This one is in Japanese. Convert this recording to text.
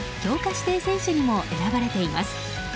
指定選手にも選ばれています。